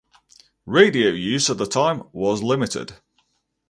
Radio use at the time was limited.